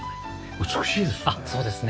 美しいですね。